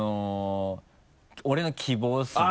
俺の希望ですね。